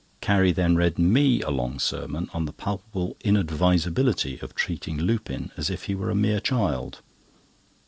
Carrie then read me a long sermon on the palpable inadvisability of treating Lupin as if he were a mere child.